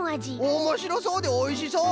おもしろそうでおいしそう！